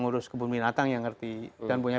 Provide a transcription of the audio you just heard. ngurus kebun binatang yang ngerti dan punya